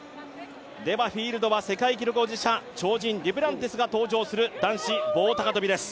フィールドは世界記録保持者超人・デュプランティスが登場する男子棒高跳です。